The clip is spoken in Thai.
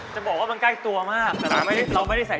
จะบอกว่ามันใกล้ตัวมากแต่เราไม่ได้ใส่